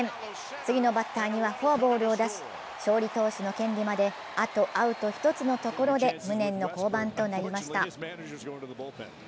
次のバッターにはフォアボールを出し勝利投手の権利まであとアウト一つのところで無念の降板となりました。